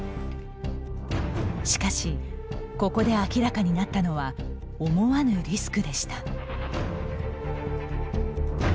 しかしここで明らかになったのは思わぬリスクでした。